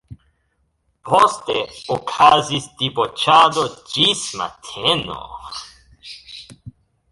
Poste okazis diboĉado ĝis mateno.